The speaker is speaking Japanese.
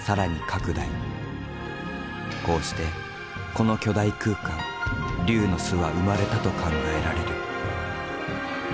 こうしてこの巨大空間龍の巣は生まれたと考えられる。